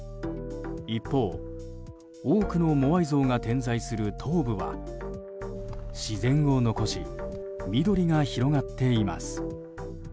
一方、多くのモアイ像が点在する東部は自然を残し緑が広がっています。